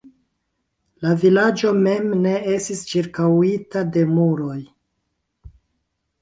La vilaĝo mem ne estis ĉirkaŭita de muroj.